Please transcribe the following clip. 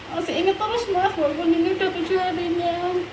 masih inget terus maaf walaupun ini udah tujuh harinya